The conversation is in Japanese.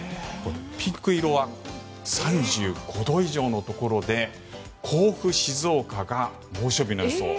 ピンク色は３５度以上のところで甲府、静岡が猛暑日の予想。